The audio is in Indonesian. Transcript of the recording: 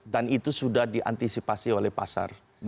dan itu sudah diantisipasi oleh pasar